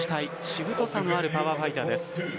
しぶとさのあるパワーファイターです。